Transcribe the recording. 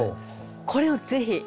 これをぜひ！